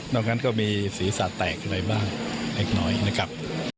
งั้นก็มีศีรษะแตกอะไรบ้างเล็กน้อยนะครับ